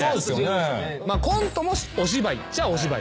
コントもお芝居っちゃお芝居。